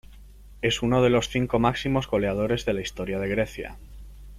Es uno de los cinco máximos goleadores de la historia de Grecia.